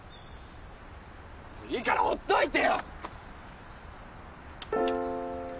もういいからほっといてよ！